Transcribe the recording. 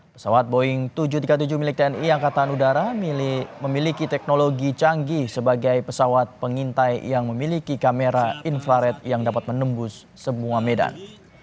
pesawat boeing tujuh ratus tiga puluh tujuh milik tni angkatan udara memiliki teknologi canggih sebagai pesawat pengintai yang memiliki kamera inflaret yang dapat menembus semua medan